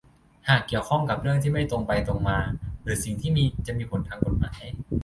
หากเกี่ยวข้องกับเรื่องที่ไม่ตรงไปตรงมาหรือสิ่งที่จะมีผลทางกฎหมาย